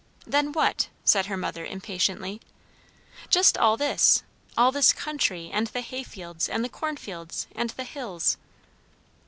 "Than what?" said her mother impatiently. "Just all this. All this country; and the hayfields, and the cornfields, and the hills."